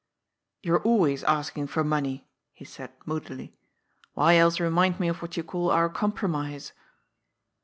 "You are always asking for money," he said moodily. "Why else remind me of what you call our compro mise?"